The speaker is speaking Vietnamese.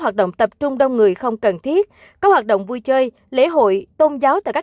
hoạt động tập trung đông người không cần thiết có hoạt động vui chơi lễ hội tôn giáo tại các